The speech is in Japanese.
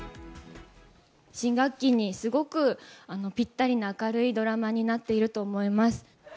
新学期にすごくぴったりな明るいドラマになっていると思います。